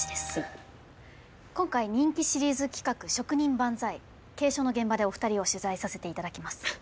今回人気シリーズ企画「職人万歳−継承の現場−」でお二人を取材させていただきます。